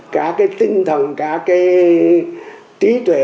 cả cái tinh thần cả cái trí tuệ